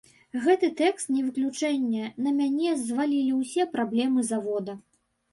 Гэты тэкст не выключэнне, на мяне звалілі ўсе праблемы завода.